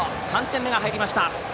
３点目が入りました。